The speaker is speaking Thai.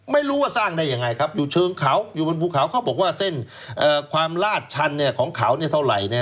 ไม่รู้ว่าสร้างได้ยังไงครับอยู่เชิงเขาอยู่บนภูเขาเขาบอกว่าเส้นความลาดชันของเขาเท่าไหร่